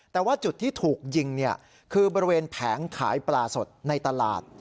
แต่ว่าจุดที่ถูกยิงคือบริเวณแผงขายปลาสดในตลาด